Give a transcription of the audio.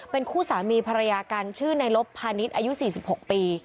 เป็นคู่สามีภรรยากันชื่อในลบพาณิชย์อายุ๔๖ปี